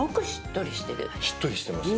しっとりしてます？